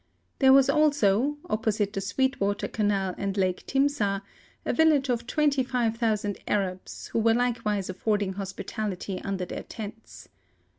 There was also, opposite the Sweet Water Canal and Lake Timsah, a village of 25,000 Arabs, who were likewise affording hospitality under their tents.